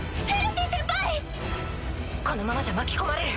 シューンこのままじゃ巻き込まれる。